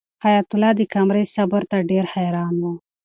حیات الله د قمرۍ صبر ته ډېر حیران و.